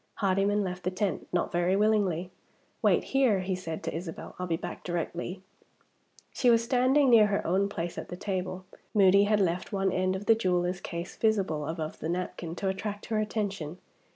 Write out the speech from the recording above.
Hardyman left the tent, not very willingly. "Wait here," he said to Isabel; "I'll be back directly." She was standing near her own place at the table. Moody had left one end of the jeweler's case visible above the napkin, to attract her attention.